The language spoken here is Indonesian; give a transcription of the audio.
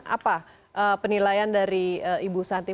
apa penilaian dari ibu santi